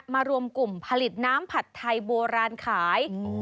รวมกลุ่มผลิตน้ำผัดไทยโบราณขาย